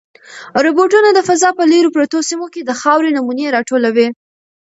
روبوټونه د فضا په لیرې پرتو سیمو کې د خاورې نمونې راټولوي.